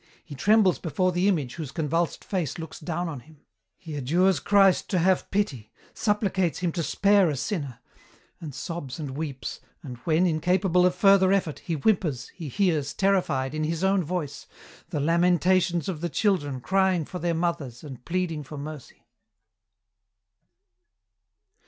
He trembles before the image whose convulsed face looks down on him. He adjures Christ to have pity, supplicates Him to spare a sinner, and sobs and weeps, and when, incapable of further effort, he whimpers, he hears, terrified, in his own voice, the lamentations of the children crying for their mothers and pleading for mercy."